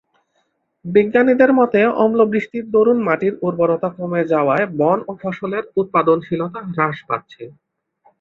বিজ্ঞানীদের মতে অম্লবৃষ্টির দরুন মাটির উর্বরতা কমে যাওয়ায় বন ও ফসলের উৎপাদনশীলতা হ্রাস পাচ্ছে।